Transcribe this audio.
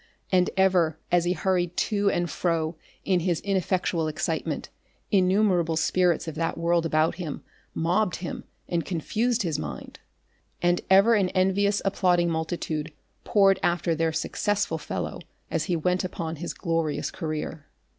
And ever as he hurried to and fro in his ineffectual excitement, innumerable spirits of that world about him mobbed him and confused his mind. And ever an envious applauding multitude poured after their successful fellow as he went upon his glorious career.